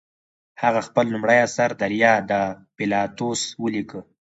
هغه خپل لومړی اثر دریا د پیلاتوس ولیکه.